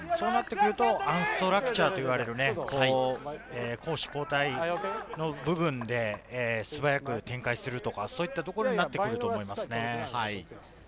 そうなってくるとアンストラクチャーと言われる攻守交替の部分で素早く展開するとか、そういったところになってくると思いますね。